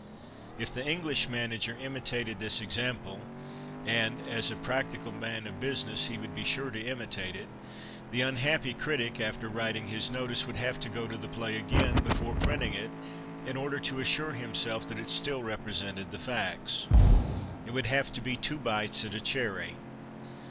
If the Enghsh manager imitated this example — and as a practical man of business he would be sure to imitate it — the unhappy critic after wTiting his notice would have to go to the j^lay again, before printing it, in order to assure himself that it still represented the facts. It woiild have to be two bites at a cherry.